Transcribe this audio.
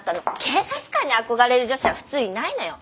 警察官に憧れる女子は普通いないのよ？